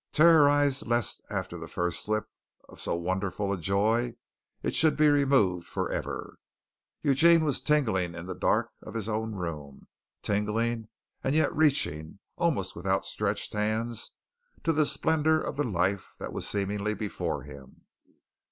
Terrorized lest after the first sip of so wonderful a joy it should be removed forever, Eugene was tingling in the dark of his own room tingling and yet reaching, almost with outstretched hands, to the splendor of the life that was seemingly before him.